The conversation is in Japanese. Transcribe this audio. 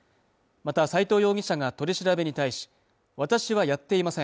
また斉藤容疑者が取り調べに対し私はやっていません